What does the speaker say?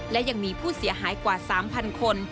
และยังมีผู้เสียหายกว่า๓๐๐คน